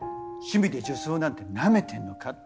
趣味で女装なんてなめてんのかって。